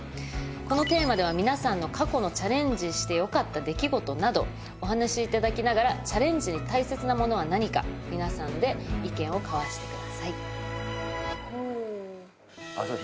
このテーマでは皆さんの過去のチャレンジしてよかった出来事などお話しいただきながらチャレンジに大切なものは何か皆さんで意見を交わしてくださいほう・